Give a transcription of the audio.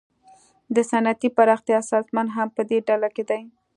د صنعتي پراختیا سازمان هم پدې ډله کې دی